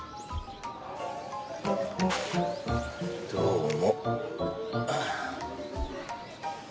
どうも。